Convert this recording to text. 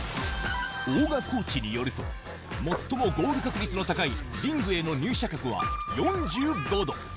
大神コーチによると、最もゴール確率の高いリングへの入射角は４５度。